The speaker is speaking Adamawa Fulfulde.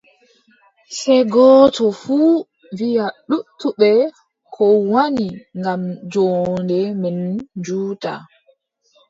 Sey gooto fuu wiʼa luttuɓe ko wanyi ngam joonde meen juuta.